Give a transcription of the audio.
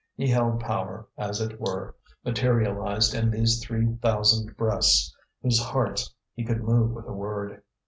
He held power, as it were, materialized in these three thousand breasts, whose hearts he could move with a word.